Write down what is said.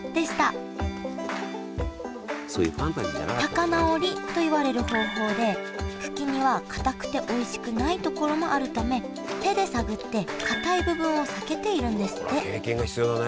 高菜折りといわれる方法で茎にはかたくておいしくないところもあるため手で探ってかたい部分を避けているんですって経験が必要だね。